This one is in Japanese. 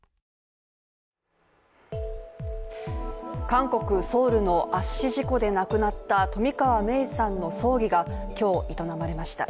韓国ソウルの圧死事故で亡くなった冨川芽生さんの葬儀が今日、営まれました。